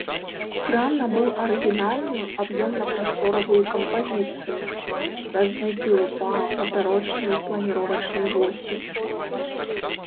Храм набыў арыгінальную аб'ёмна-прасторавую кампазіцыю, развітую па папярочнай планіровачнай восі.